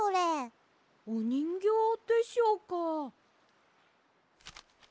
おにんぎょうでしょうか。